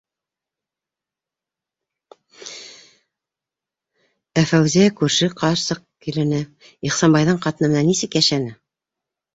Ә Фәүзиә... күрше ҡарсыҡ... килене, Ихсанбайҙың ҡатыны менән нисек йәшәне?